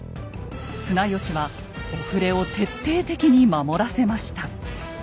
綱吉はお触れを徹底的に守らせました。